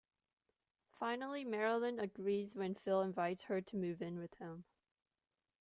Finally, Marilyn agrees when Phil invites her to move in with him.